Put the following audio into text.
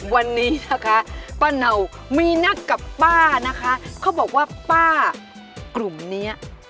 วันนี้นะคะป้าเนามีนัดกับป้านะคะเขาบอกว่าป้ากลุ่มเนี้ย